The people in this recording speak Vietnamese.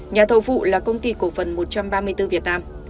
nhà thầu vụ là công ty cổ phần một trăm ba mươi bốn việt nam